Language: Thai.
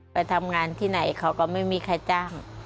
ไปทำงานที่ไหนเขาก็ไม่มีใครจ้าง